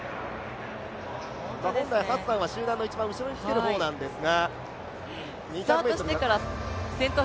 本来ハッサンは集団の一番後ろにつける方なんですが。